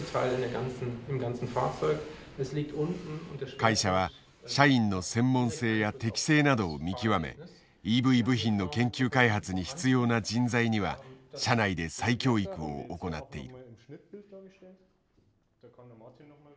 会社は社員の専門性や適性などを見極めＥＶ部品の研究開発に必要な人材には社内で再教育を行っている。